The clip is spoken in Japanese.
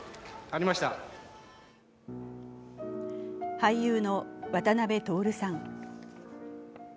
俳優の渡辺徹さん。